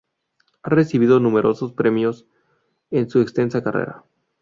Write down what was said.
Ha recibido numerosos premios en su extensa carrera.